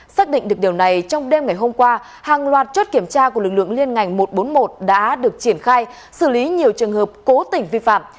xác định được điều này trong đêm ngày hôm qua hàng loạt chốt kiểm tra của lực lượng liên ngành một trăm bốn mươi một đã được triển khai xử lý nhiều trường hợp cố tình vi phạm